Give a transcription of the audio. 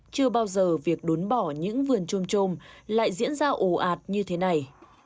chưa bao giờ việc đốn bỏ những vườn trôm trôm lại diễn ra ồ ạt như thế này